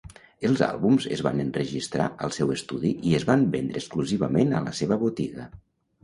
Els àlbums es van enregistrar al seu estudi i es van vendre exclusivament a la seva botiga.